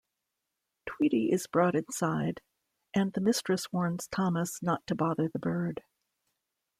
Tweety is brought inside, and the mistress warns Thomas not to bother the bird.